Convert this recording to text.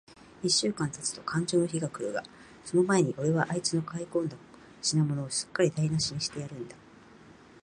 一週間たつとかんじょうの日が来るが、その前に、おれはあいつの買い込んだ品物を、すっかりだいなしにしてやるんだ。